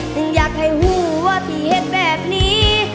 ถึงอยากให้หู้ว่าที่เหตุแบบนี้